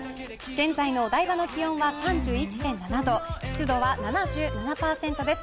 現在のお台場の気温は３１．７度、湿度は７７％です。